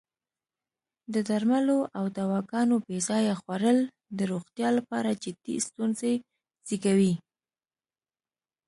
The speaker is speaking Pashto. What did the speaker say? د درملو او دواګانو بې ځایه خوړل د روغتیا لپاره جدی ستونزې زېږوی.